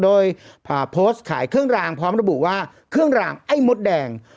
โดยโพสต์ขายเครื่องรางพร้อมระบุว่าเครื่องรางไอ้มดแดง